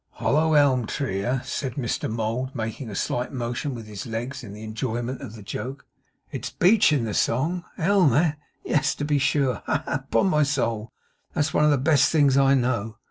'Hollow ELM tree, eh?' said Mr Mould, making a slight motion with his legs in his enjoyment of the joke. 'It's beech in the song. Elm, eh? Yes, to be sure. Ha, ha, ha! Upon my soul, that's one of the best things I know?